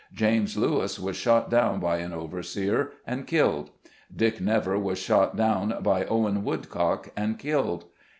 James Lewis was shot down by an overseer, and killed. Dick Never was shot down by Owen Wood cock, and killed.